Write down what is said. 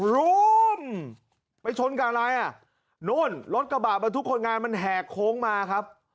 รุมไปชนกับอะไรอ่ะนู่นรถกระบะบรรทุกคนงานมันแหกโค้งมาครับ